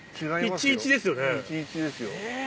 １１ですよ。